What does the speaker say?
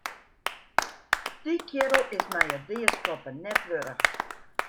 Dy keardel is my it deaskoppen net wurdich.